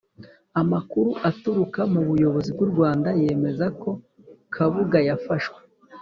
Amakuru aturuka mu buyobozi bw u Rwanda yemeza ko kabuga yafashwe